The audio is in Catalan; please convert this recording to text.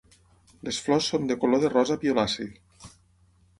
Les flors són de color de rosa violaci.